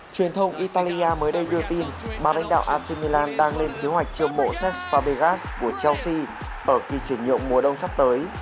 truyền thông italia mới đây đưa tin bà lãnh đạo ac milan đang lên kế hoạch triêu mộ cesc fabregas của chelsea ở khi chuyển nhuộm mùa đông sắp tới